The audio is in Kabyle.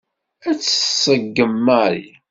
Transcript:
Ad tt-tṣeggem Mary.